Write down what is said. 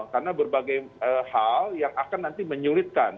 karena berbagai hal yang akan nanti menyulitkan